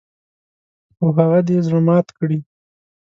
خو هغه دې زړه مات کړي .